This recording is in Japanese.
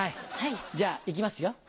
はいじゃ行きますよ。